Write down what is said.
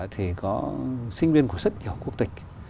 thì có sinh viên của rất nhiều quốc tịch